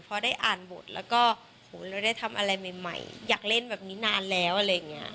พอได้อ่านบทแล้วก็โหเราได้ทำอะไรใหม่อยากเล่นแบบนี้นานแล้วอะไรอย่างนี้